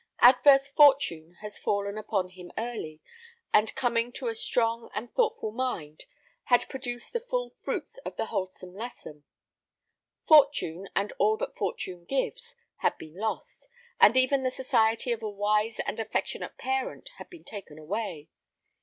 Adverse fortune had fallen upon him early, and coming to a strong and thoughtful mind, had produced the full fruits of the wholesome lesson. Fortune, and all that fortune gives, had been lost, and even the society of a wise and affectionate parent had been taken away.